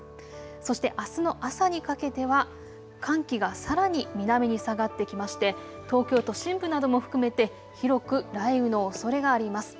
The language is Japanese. そしてあすの朝にかけては寒気がさらに南に下がってきまして東京都心部なども含めて広く雷雨のおそれがあります。